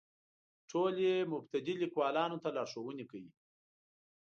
ټول یې مبتدي لیکوالو ته لارښوونې کوي.